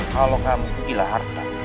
kalau kamu tuh gila harta